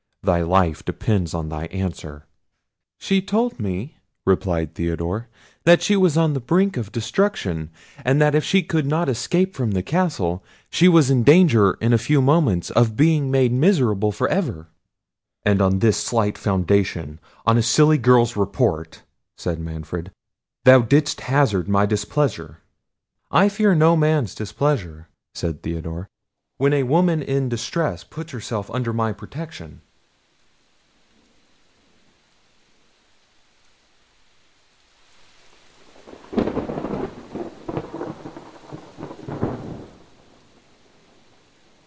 thy life depends on thy answer." "She told me," replied Theodore, "that she was on the brink of destruction, and that if she could not escape from the castle, she was in danger in a few moments of being made miserable for ever." "And on this slight foundation, on a silly girl's report," said Manfred, "thou didst hazard my displeasure?" "I fear no man's displeasure," said Theodore, "when a woman in distress puts herself under my protection."